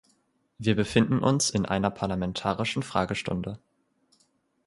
Wir befinden uns in einer parlamentarischen Fragestunde.